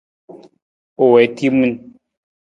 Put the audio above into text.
U wii timin.